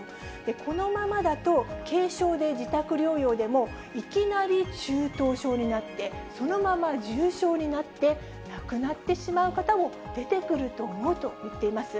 このままだと、軽症で自宅療養でも、いきなり中等症になって、そのまま重症になって、亡くなってしまう方も出てくると思うと言っています。